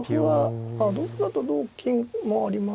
同歩だと同金もあります。